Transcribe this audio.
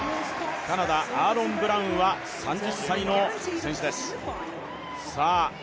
カナダ、アーロン・ブラウンは３０歳の選手です。